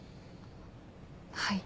はい。